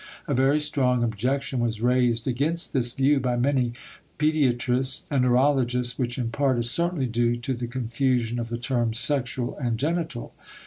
A very strong objection was raised against this view by many pediatrists and neurologists which in part is certainly due to the confusion of the terms "sexual" and "genital."